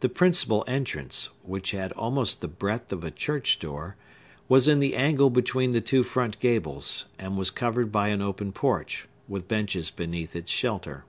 The principal entrance, which had almost the breadth of a church door, was in the angle between the two front gables, and was covered by an open porch, with benches beneath its shelter.